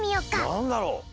なんだろ？